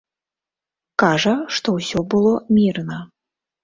Кажа, што ўсё было мірна.